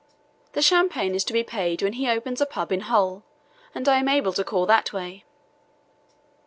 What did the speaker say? The champagne is to be paid when he opens his pub in Hull and I am able to call that way....